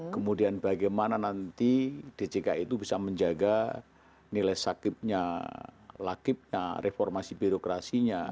kemudian bagaimana nanti djk itu bisa menjaga nilai sakitnya lakibnya reformasi birokrasinya